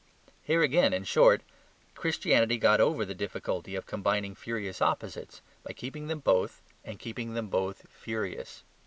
Here, again in short, Christianity got over the difficulty of combining furious opposites, by keeping them both, and keeping them both furious.